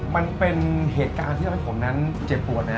มันเป็นเหตุการณ์ที่ทำให้ผมเจ็บป่วนนะค่ะ